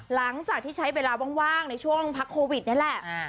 หลังจากที่ใช้เวลาว่างในช่วงพักโควิดนี่แหละ